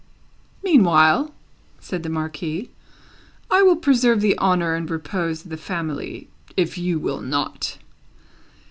"Meanwhile," said the Marquis, "I will preserve the honour and repose of the family, if you will not.